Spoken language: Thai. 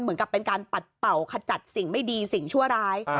เหมือนกับเป็นการปัดเป่าขจัดสิ่งไม่ดีสิ่งชั่วร้าย